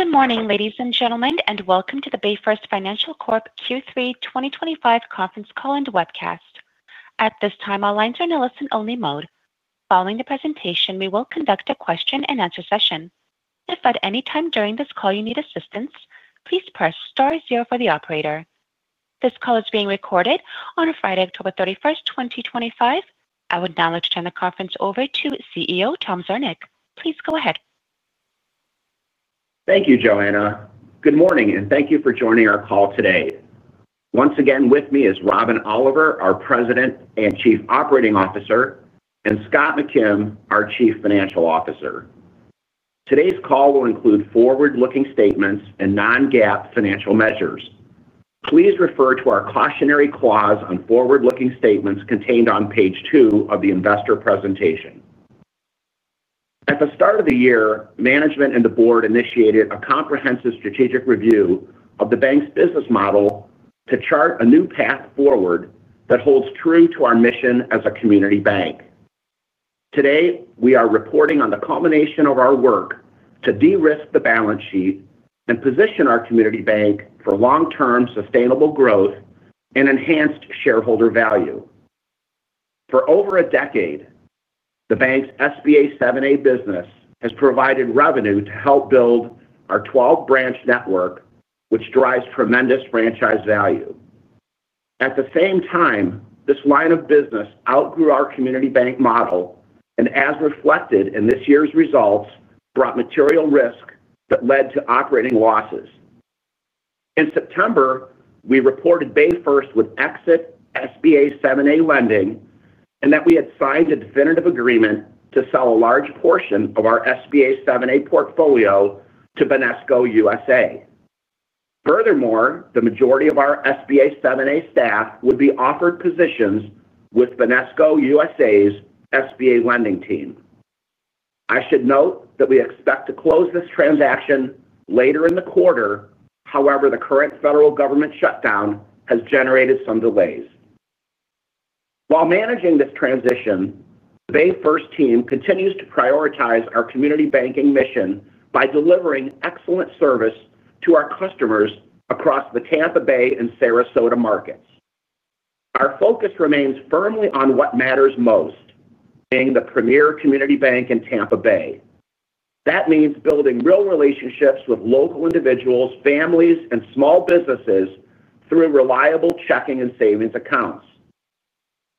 Good morning, ladies and gentlemen, and welcome to the BayFirst Financial Corp Q3 2025 conference call and webcast. At this time, our lines are in a listen-only mode. Following the presentation, we will conduct a question-and-answer session. If at any time during this call you need assistance, please press star zero for the operator. This call is being recorded on Friday, October 31st, 2025. I will now turn the conference over to CEO Thomas Zernick. Please go ahead. Thank you, Joanna. Good morning, and thank you for joining our call today. Once again, with me is Robin Oliver, our President and Chief Operating Officer, and Scott McKim, our Chief Financial Officer. Today's call will include forward-looking statements and non-GAAP financial measures. Please refer to our cautionary clause on forward-looking statements contained on page two of the investor presentation. At the start of the year, management and the board initiated a comprehensive strategic review of the bank's business model to chart a new path forward that holds true to our mission as a community bank. Today, we are reporting on the culmination of our work to de-risk the balance sheet and position our community bank for long-term sustainable growth and enhanced shareholder value. For over a decade, the bank's SBA 7(a) business has provided revenue to help build our 12-branch network, which drives tremendous franchise value. At the same time, this line of business outgrew our community bank model, and as reflected in this year's results, brought material risk that led to operating losses. In September, we reported BayFirst would exit SBA 7(a) lending and that we had signed a definitive agreement to sell a large portion of our SBA 7(a) portfolio to Banesco USA. Furthermore, the majority of our SBA 7(a) staff would be offered positions with Banesco USA's SBA lending team. I should note that we expect to close this transaction later in the quarter, however, the current federal government shutdown has generated some delays. While managing this transition, the BayFirst team continues to prioritize our community banking mission by delivering excellent service to our customers across the Tampa Bay and Sarasota markets. Our focus remains firmly on what matters most. Being the premier community bank in Tampa Bay means building real relationships with local individuals, families, and small businesses through reliable checking and savings accounts.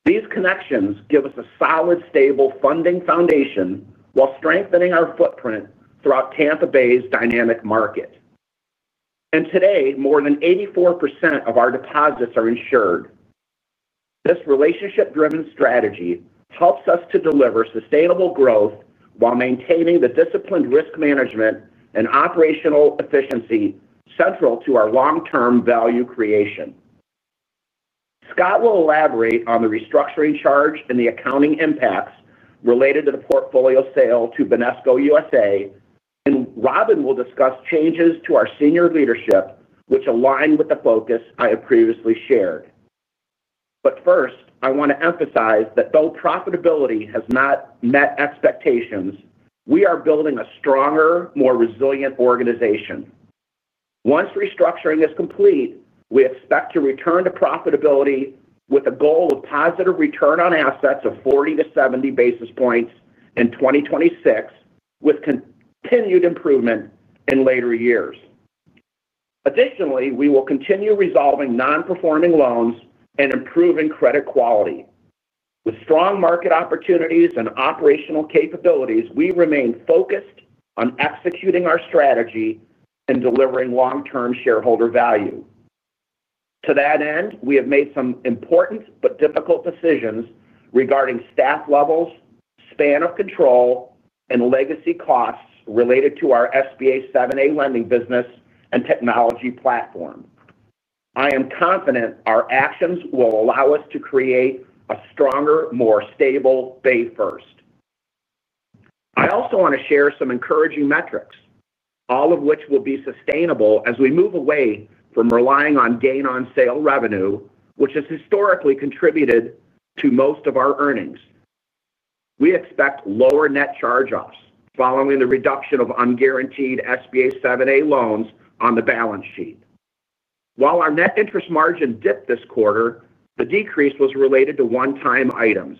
These connections give us a solid, stable funding foundation while strengthening our footprint throughout Tampa Bay's dynamic market. Today, more than 84% of our deposits are insured. This relationship-driven strategy helps us to deliver sustainable growth while maintaining the disciplined risk management and operational efficiency central to our long-term value creation. Scott will elaborate on the restructuring charge and the accounting impacts related to the portfolio sale to Banesco USA, and Robin will discuss changes to our senior leadership, which align with the focus I have previously shared. First, I want to emphasize that though profitability has not met expectations, we are building a stronger, more resilient organization. Once restructuring is complete, we expect to return to profitability with a goal of positive return on assets of 40-70 bps in 2026, with continued improvement in later years. Additionally, we will continue resolving non-performing loans and improving credit quality. With strong market opportunities and operational capabilities, we remain focused on executing our strategy and delivering long-term shareholder value. To that end, we have made some important but difficult decisions regarding staff levels, span of control, and legacy costs related to our SBA 7(a) lending business and technology platform. I am confident our actions will allow us to create a stronger, more stable BayFirst. I also want to share some encouraging metrics, all of which will be sustainable as we move away from relying on gain-on-sale revenue, which has historically contributed to most of our earnings. We expect lower net charge-offs following the reduction of unguaranteed SBA 7(a) loans on the balance sheet. While our net interest margin dipped this quarter, the decrease was related to one-time items.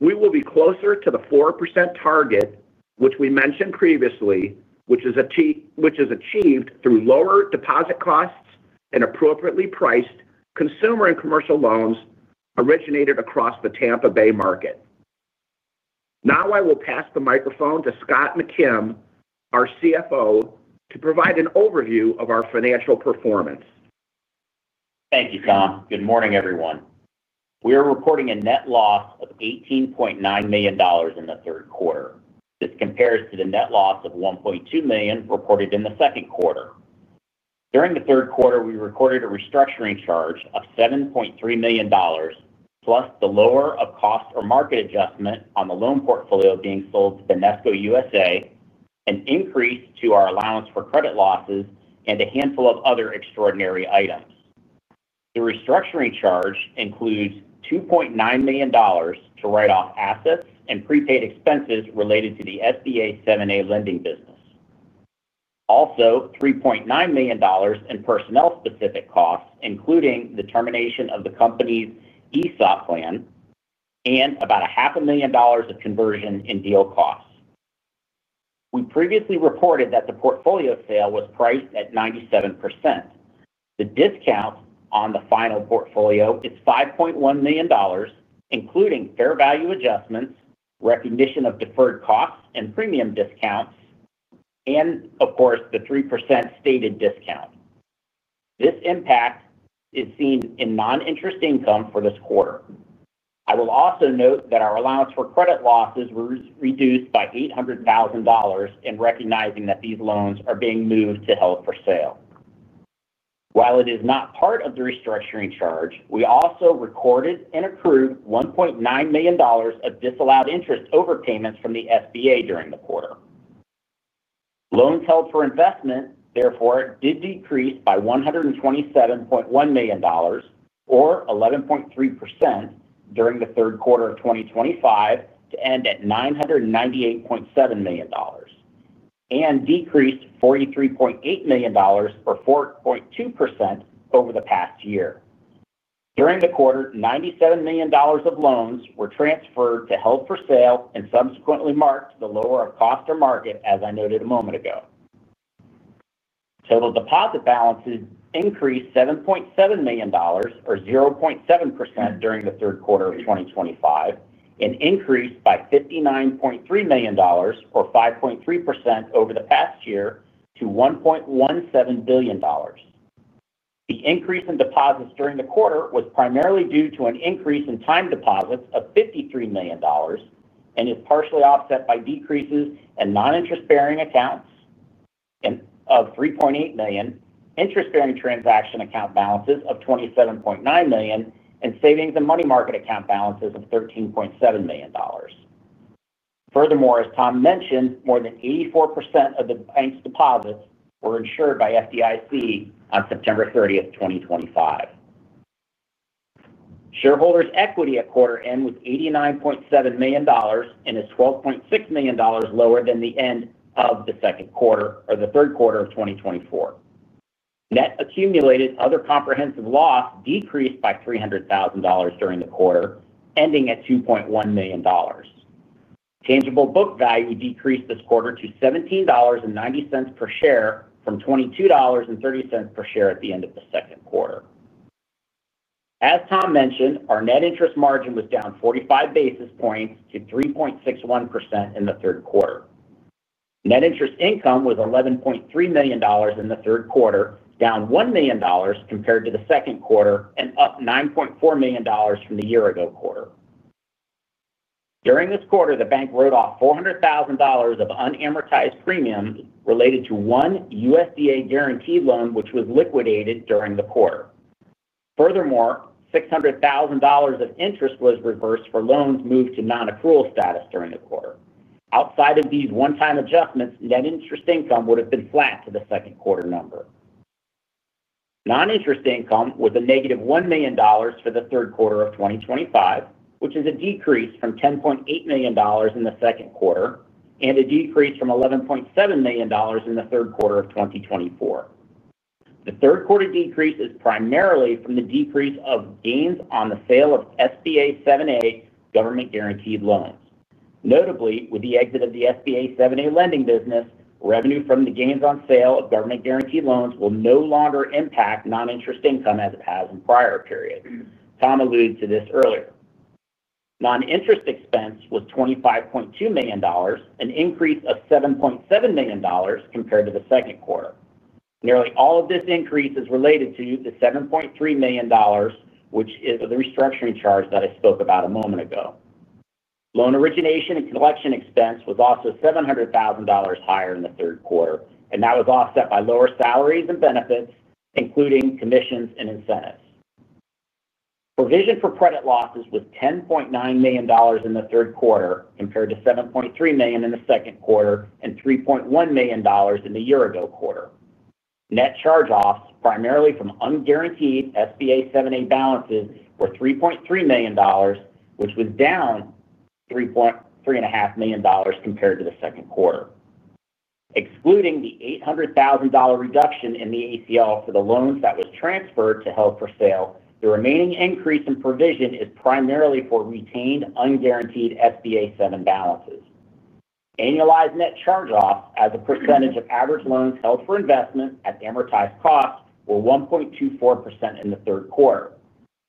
We will be closer to the 4% target, which we mentioned previously, which is achieved through lower deposit costs and appropriately priced consumer and commercial loans originated across the Tampa Bay market. Now I will pass the microphone to Scott McKim, our CFO, to provide an overview of our financial performance. Thank you, Tom. Good morning, everyone. We are reporting a net loss of $18.9 million in the third quarter. This compares to the net loss of $1.2 million reported in the second quarter. During the third quarter, we recorded a restructuring charge of $7.3 million, plus the lower of cost or market adjustment on the loan portfolio being sold to Banesco USA, an increase to our allowance for credit losses, and a handful of other extraordinary items. The restructuring charge includes $2.9 million to write off assets and prepaid expenses related to the SBA 7(a) lending business. Also, $3.9 million in personnel-specific costs, including the termination of the company's ESOP plan, and about half a million dollars of conversion and deal costs. We previously reported that the portfolio sale was priced at 97%. The discount on the final portfolio is $5.1 million, including fair value adjustments, recognition of deferred costs and premium discounts, and, of course, the 3% stated discount. This impact is seen in non-interest income for this quarter. I will also note that our allowance for credit losses was reduced by $800,000 in recognizing that these loans are being moved to held for sale. While it is not part of the restructuring charge, we also recorded and approved $1.9 million of disallowed interest overpayments from the SBA during the quarter. Loans held for investment, therefore, did decrease by $127.1 million, or 11.3%, during the third quarter of 2025 to end at $998.7 million. They decreased $43.8 million, or 4.2%, over the past year. During the quarter, $97 million of loans were transferred to held for sale and subsequently marked to the lower of cost or market, as I noted a moment ago. Total deposit balances increased $7.7 million, or 0.7%, during the third quarter of 2025 and increased by $59.3 million, or 5.3%, over the past year to $1.17 billion. The increase in deposits during the quarter was primarily due to an increase in time deposits of $53 million and is partially offset by decreases in non-interest-bearing accounts of $3.8 million, interest-bearing transaction account balances of $27.9 million, and savings and money market account balances of $13.7 million. Furthermore, as Tom mentioned, more than 84% of the bank's deposits were insured by the FDIC on September 30th, 2025. Shareholders' equity at quarter end was $89.7 million and is $12.6 million lower than the end of the second quarter, or the third quarter of 2024. Net accumulated other comprehensive loss decreased by $300,000 during the quarter, ending at $2.1 million. Tangible book value decreased this quarter to $17.90 per share from $22.30 per share at the end of the second quarter. As Tom mentioned, our net interest margin was down 45 basis points to 3.61% in the third quarter. Net interest income was $11.3 million in the third quarter, down $1 million compared to the second quarter, and up $9.4 million from the year-ago quarter. During this quarter, the bank wrote off $400,000 of unamortized premiums related to one USDA guaranteed loan, which was liquidated during the quarter. Furthermore, $600,000 of interest was reversed for loans moved to non-accrual status during the quarter. Outside of these one-time adjustments, net interest income would have been flat to the second quarter number. Non-interest income was a -$1 million for the third quarter of 2025, which is a decrease from $10.8 million in the second quarter and a decrease from $11.7 million in the third quarter of 2024. The third quarter decrease is primarily from the decrease of gains on the sale of SBA 7(a) government-guaranteed loans. Notably, with the exit of the SBA 7(a) lending business, revenue from the gains on sale of government-guaranteed loans will no longer impact non-interest income as it has in prior periods. Tom alluded to this earlier. Non-interest expense was $25.2 million, an increase of $7.7 million compared to the second quarter. Nearly all of this increase is related to the $7.3 million, which is the restructuring charge that I spoke about a moment ago. Loan origination and collection expense was also $700,000 higher in the third quarter, and that was offset by lower salaries and benefits, including commissions and incentives. Provision for credit losses was $10.9 million in the third quarter compared to $7.3 million in the second quarter and $3.1 million in the year-ago quarter. Net charge-offs, primarily from unguaranteed SBA 7(a) balances, were $3.3 million, which was down $3.5 million compared to the second quarter. Excluding the $800,000 reduction in the allowance for credit losses for the loans that were transferred to held for sale, the remaining increase in provision is primarily for retained unguaranteed SBA 7(a) balances. Annualized net charge-offs, as a percentage of average loans held for investment at amortized cost, were 1.24% in the third quarter.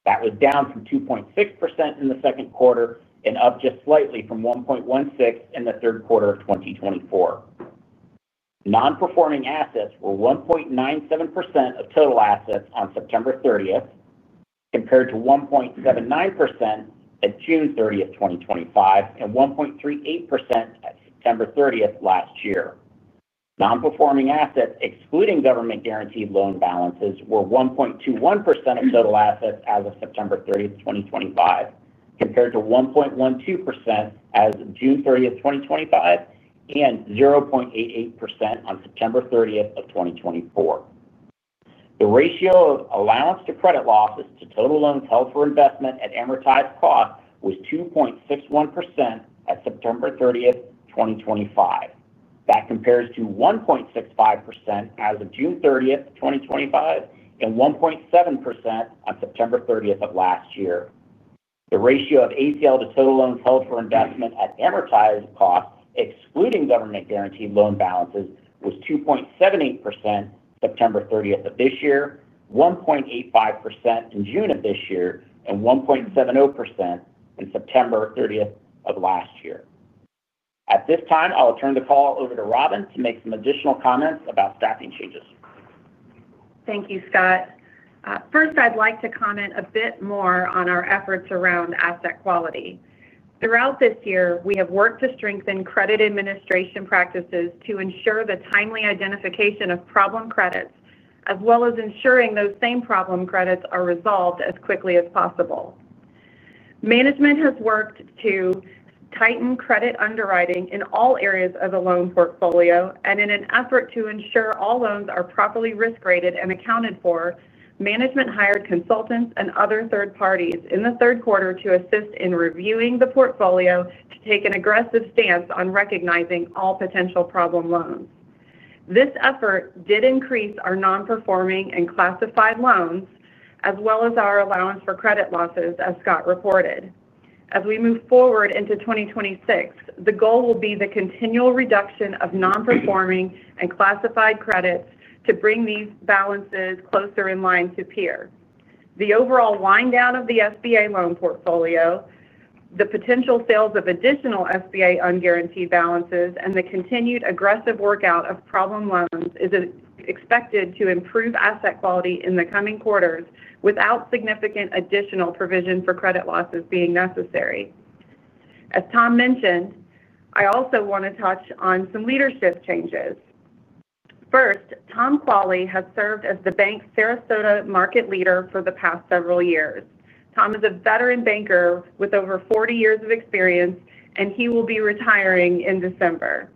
That was down from 2.6% in the second quarter and up just slightly from 1.16% in the third quarter of 2024. Non-performing assets were 1.97% of total assets on September 30th compared to 1.79% at June 30th, 2025, and 1.38% at September 30th last year. Non-performing assets, excluding government-guaranteed loan balances, were 1.21% of total assets as of September 30th, 2025, compared to 1.12% as of June 30th, 2025, and 0.88% on September 30th of 2024. The ratio of allowance for credit losses to total loans held for investment at amortized cost was 2.61% at September 30th, 2025. That compares to 1.65% as of June 30th, 2025, and 1.7% on September 30th of last year. The ratio of ACL to total loans held for investment at amortized cost, excluding government-guaranteed loan balances, was 2.78% at September 30th of this year, 1.85% in June of this year, and 1.70% at September 30th of last year. At this time, I'll turn the call over to Robin to make some additional comments about staffing changes. Thank you, Scott. First, I'd like to comment a bit more on our efforts around asset quality. Throughout this year, we have worked to strengthen credit administration practices to ensure the timely identification of problem credits, as well as ensuring those same problem credits are resolved as quickly as possible. Management has worked to tighten credit underwriting in all areas of the loan portfolio, and in an effort to ensure all loans are properly risk-rated and accounted for, management hired consultants and other third parties in the third quarter to assist in reviewing the portfolio to take an aggressive stance on recognizing all potential problem loans. This effort did increase our non-performing and classified loans, as well as our allowance for credit losses, as Scott reported. As we move forward into 2026, the goal will be the continual reduction of non-performing and classified credits to bring these balances closer in line to peer. The overall wind down of the SBA 7(a) loan portfolio, the potential sales of additional SBA unguaranteed balances, and the continued aggressive workout of problem loans is expected to improve asset quality in the coming quarters without significant additional provision for credit losses being necessary. As Tom mentioned, I also want to touch on some leadership changes. First, Tom Qualley has served as the bank's Sarasota market leader for the past several years. Tom is a veteran banker with over 40 years of experience, and he will be retiring in December.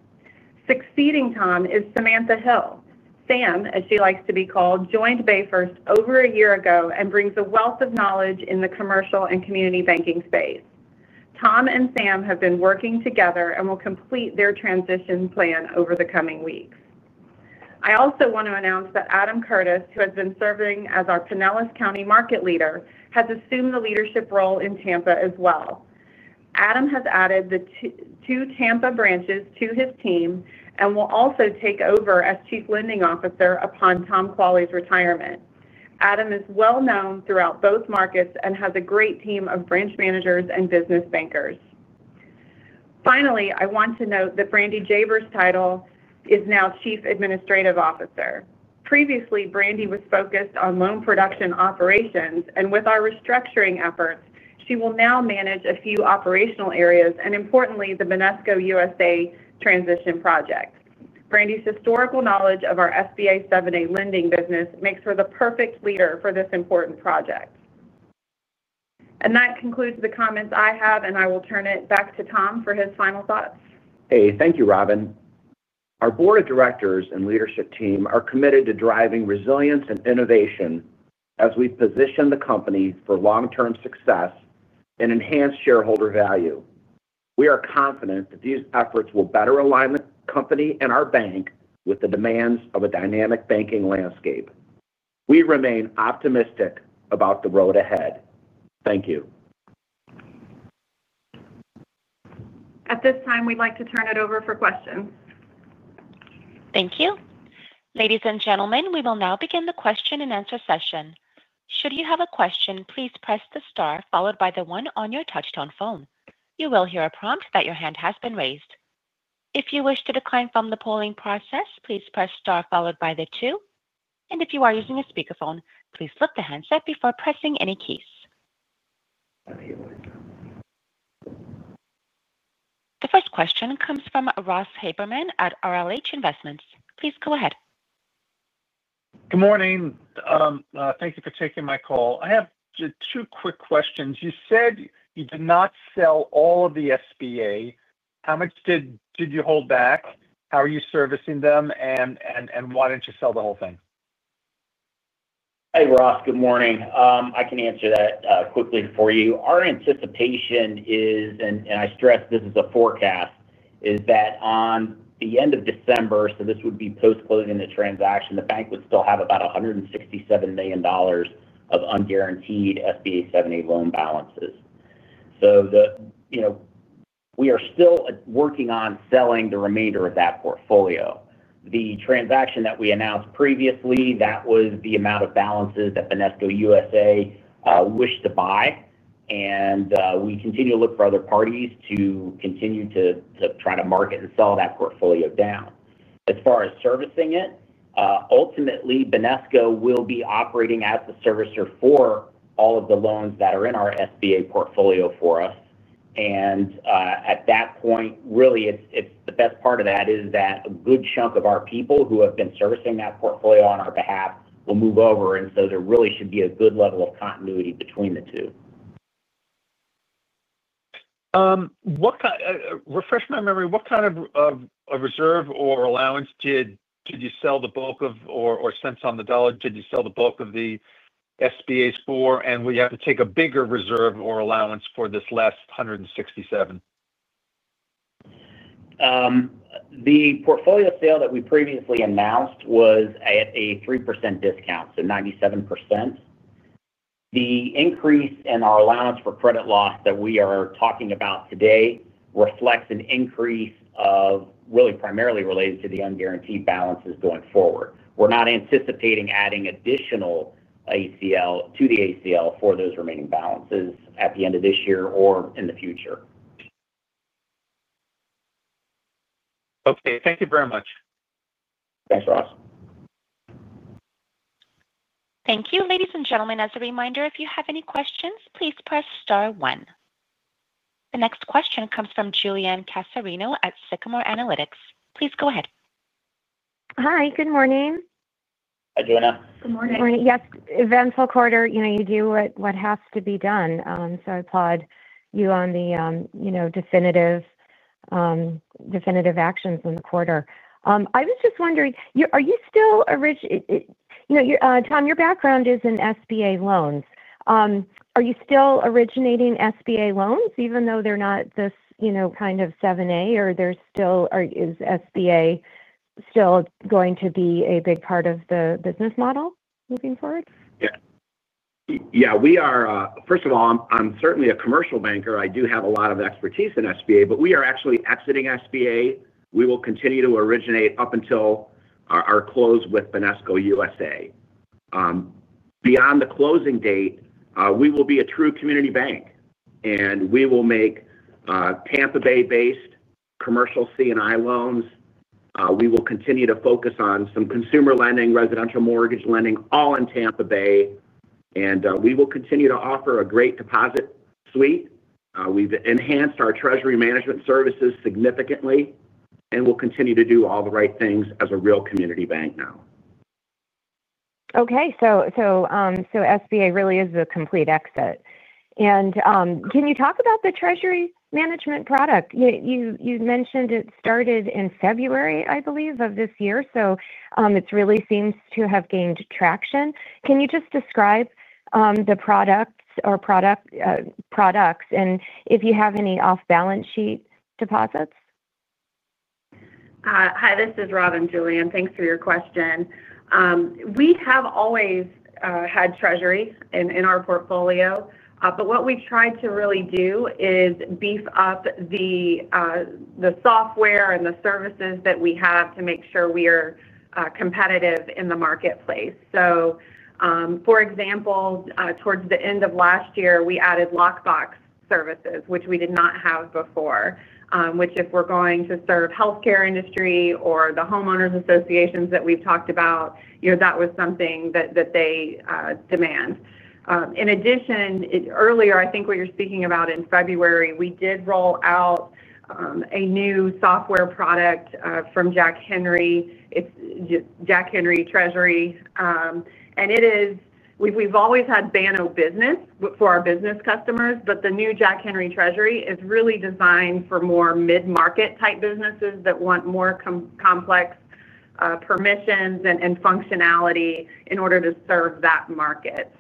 Succeeding Tom is Samantha Hill. Sam, as she likes to be called, joined BayFirst over a year ago and brings a wealth of knowledge in the commercial and community banking space. Tom and Sam have been working together and will complete their transition plan over the coming weeks. I also want to announce that Adam Curtis, who has been serving as our Pinellas County market leader, has assumed the leadership role in Tampa as well. Adam has added the two Tampa branches to his team and will also take over as Chief Lending Officer upon Tom Qualley's retirement. Adam is well known throughout both markets and has a great team of branch managers and business bankers. Finally, I want to note that Brandi Javers' title is now Chief Administrative Officer. Previously, Brandi was focused on loan production operations, and with our restructuring efforts, she will now manage a few operational areas and, importantly, the Banesco USA transition project. Brandi's historical knowledge of our SBA 7(a) lending business makes her the perfect leader for this important project. That concludes the comments I have, and I will turn it back to Tom for his final thoughts. Thank you, Robin. Our board of directors and leadership team are committed to driving resilience and innovation as we position the company for long-term success and enhance shareholder value. We are confident that these efforts will better align the company and our bank with the demands of a dynamic banking landscape. We remain optimistic about the road ahead. Thank you. At this time, we'd like to turn it over for questions. Thank you. Ladies and gentlemen, we will now begin the question-and-answer session. Should you have a question, please press the star followed by the one on your touch-tone phone. You will hear a prompt that your hand has been raised. If you wish to decline from the polling process, please press star followed by the two. If you are using a speakerphone, please lift the handset before pressing any keys. The first question comes from Ross Haberman at RLH Investments. Please go ahead. Good morning. Thank you for taking my call. I have two quick questions. You said you did not sell all of the SBA. How much did you hold back? How are you servicing them, and why didn't you sell the whole thing? Hey, Ross. Good morning. I can answer that quickly for you. Our anticipation is, and I stress this is a forecast, that at the end of December, post-closing the transaction, the bank would still have about $167 million of unguaranteed SBA 7(a) loan balances. We are still working on selling the remainder of that portfolio. The transaction that we announced previously was the amount of balances that Banesco USA wished to buy. We continue to look for other parties to try to market and sell that portfolio down. As far as servicing it, ultimately, Banesco will be operating as the servicer for all of the loans that are in our SBA portfolio for us. At that point, the best part of that is that a good chunk of our people who have been servicing that portfolio on our behalf will move over, so there really should be a good level of continuity between the two. Refresh my memory. What kind of reserve or allowance did you sell the bulk of, or cents on the dollar did you sell the bulk of the SBA 7(a) loans for? Do we have to take a bigger reserve or allowance for this last $167? The portfolio sale that we previously announced was at a 3% discount, so 97%. The increase in our allowance for credit losses that we are talking about today reflects an increase really primarily related to the unguaranteed balances going forward. We're not anticipating adding additional to the ACL for those remaining balances at the end of this year or in the future. Okay, thank you very much. Thanks, Ross. Thank you. Ladies and gentlemen, as a reminder, if you have any questions, please press star one. The next question comes from Julianne Casarino at Sycamore Analytics. Please go ahead. Hi, good morning. Hi, Julianne. Good morning. Good morning. Yes, eventful quarter. You do what has to be done. I applaud you on the definitive actions in the quarter. I was just wondering, are you still—Tom, your background is in SBA loans. Are you still originating SBA loans, even though they're not this kind of 7(a), or is SBA still going to be a big part of the business model moving forward? Yeah. First of all, I'm certainly a commercial banker. I do have a lot of expertise in SBA, but we are actually exiting SBA. We will continue to originate up until our close with Banesco USA. Beyond the closing date, we will be a true community bank, and we will make Tampa Bay-based commercial C&I loans. We will continue to focus on some consumer lending, residential mortgage lending, all in Tampa Bay. We will continue to offer a great deposit suite. We've enhanced our treasury management services significantly and will continue to do all the right things as a real community bank now. Okay. SBA really is the complete exit. Can you talk about the treasury management product? You mentioned it started in February, I believe, of this year. It really seems to have gained traction. Can you just describe the products, and if you have any off-balance sheet deposits? Hi, this is Robin, Julianne. Thanks for your question. We have always had treasury in our portfolio, but what we've tried to really do is beef up the software and the services that we have to make sure we are competitive in the marketplace. For example, towards the end of last year, we added lockbox services, which we did not have before, which, if we're going to serve the healthcare industry or the homeowners associations that we've talked about, that was something that they demand. In addition, earlier, I think what you're speaking about in February, we did roll out a new software product from Jack Henry, Jack Henry Treasury. We've always had Banno Business for our business customers, but the new Jack Henry Treasury is really designed for more mid-market-type businesses that want more complex permissions and functionality in order to serve that market.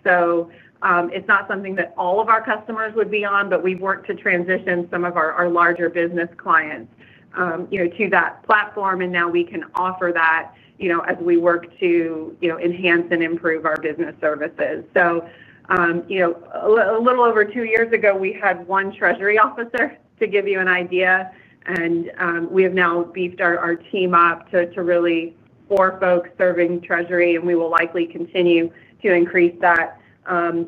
It's not something that all of our customers would be on, but we've worked to transition some of our larger business clients to that platform. Now we can offer that as we work to enhance and improve our business services. A little over two years ago, we had one treasury officer, to give you an idea. We have now beefed our team up to really four folks serving treasury, and we will likely continue to increase that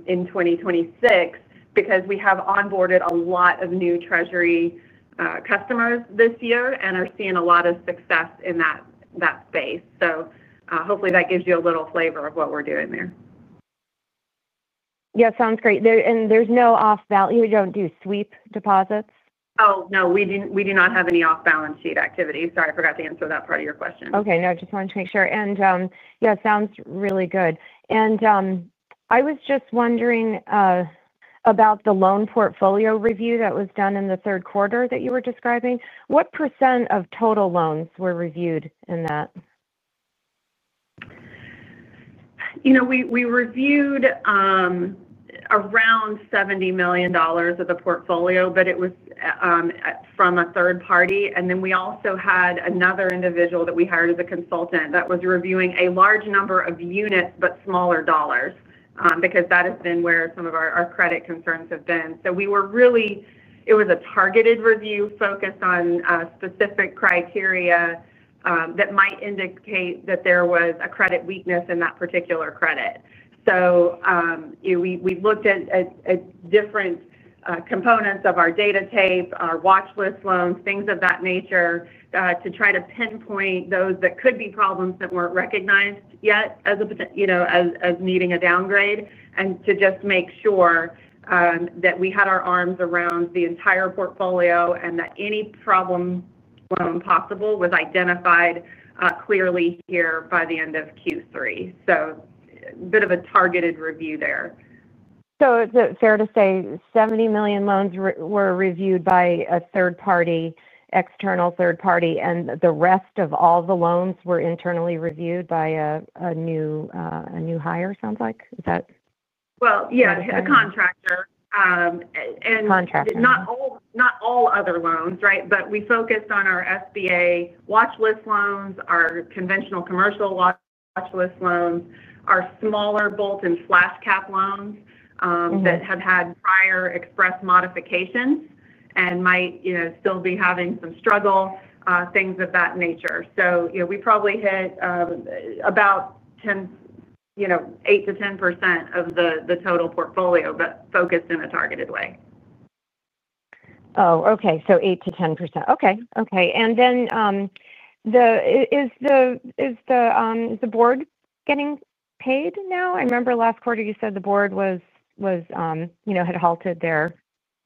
in 2026 because we have onboarded a lot of new treasury customers this year and are seeing a lot of success in that space. Hopefully, that gives you a little flavor of what we're doing there. Yeah, sounds great. There's no off-balance? You don't do sweep deposits? No, we do not have any off-balance sheet deposit activity. Sorry, I forgot to answer that part of your question. Okay. No, I just wanted to make sure. Yeah, sounds really good. I was just wondering about the loan portfolio review that was done in the third quarter that you were describing. What percent of total loans were reviewed in that? We reviewed around $70 million of the portfolio, but it was from a third party. We also had another individual that we hired as a consultant that was reviewing a large number of units but smaller dollars because that has been where some of our credit concerns have been. It was a targeted review focused on specific criteria that might indicate that there was a credit weakness in that particular credit. We looked at different components of our data tape, our watchlist loans, things of that nature, to try to pinpoint those that could be problems that weren't recognized yet as needing a downgrade, and to just make sure that we had our arms around the entire portfolio and that any problem loan possible was identified clearly here by the end of Q3. A bit of a targeted review there. Is it fair to say $70 million loans were reviewed by a third party, external third party, and the rest of all the loans were internally reviewed by a new hire, it sounds like? Is that? Yeah, a contractor. Contractor. Not all other loans, right? We focused on our SBA watchlist loans, our conventional commercial watchlist loans, our smaller bolt and flashcap loans that have had prior express modifications and might still be having some struggle, things of that nature. We probably hit about 8%-10% of the total portfolio, but focused in a targeted way. Okay, 8%-10%. Okay. Is the board getting paid now? I remember last quarter you said the board had halted their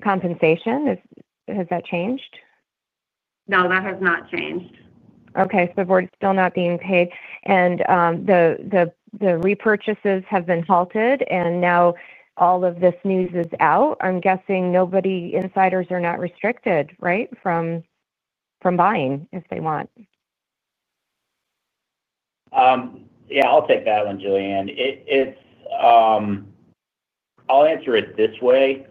compensation. Has that changed? No, that has not changed. Okay. The board is still not being paid. The repurchases have been halted. Now all of this news is out. I'm guessing insiders are not restricted, right, from buying if they want. Yeah, I'll take that one, Julianne. I'll answer it this way.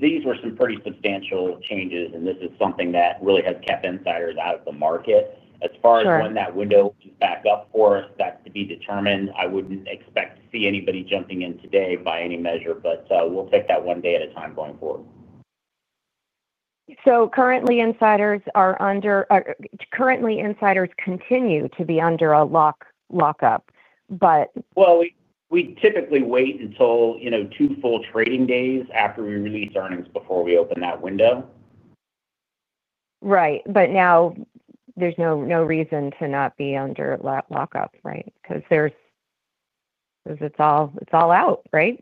These were some pretty substantial changes, and this is something that really has kept insiders out of the market. As far as when that window opens back up for us, that's to be determined. I wouldn't expect to see anybody jumping in today by any measure, but we'll take that one day at a time going forward. Currently, insiders continue to be under a lockup. Typically, we wait until two full trading days after we release earnings before we open that window. Right. There's no reason to not be under lockup, right? Because it's all out, right?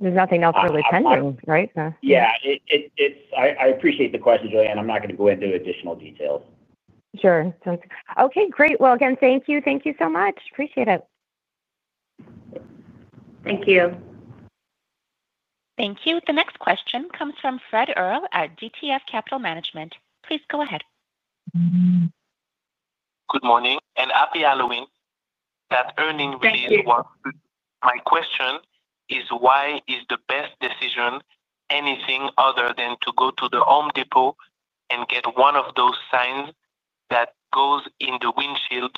There's nothing else really pending, right? Yeah, I appreciate the question, Julianne. I'm not going to go into additional details. Sure. Okay. Great. Again, thank you. Thank you so much. Appreciate it. Thank you. Thank you. The next question comes from Fred Earl at DTF Capital Management. Please go ahead. Good morning, and happy Halloween. That earning really was. Thank you. My question is, why is the best decision anything other than to go to the Home Depot and get one of those signs that goes in the windshield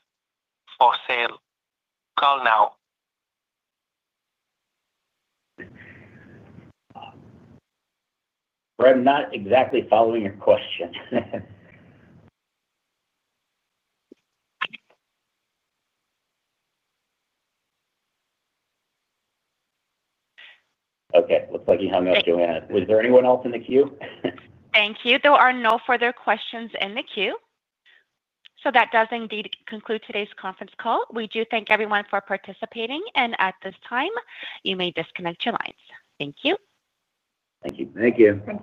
for sale? Call now. We're not exactly following your question. Okay. Looks like you hung up, Joanne. Was there anyone else in the queue? Thank you. There are no further questions in the queue. That does indeed conclude today's conference call. We do thank everyone for participating. At this time, you may disconnect your lines. Thank you. Thank you. Thank you.